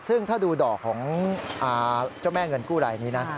ซึ่งถ้าดูดอกของเจ้าแม่เงินกู้รายนี้นะ